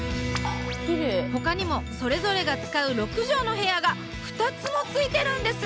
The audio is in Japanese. ほかにもそれぞれが使う６畳の部屋が２つもついてるんです！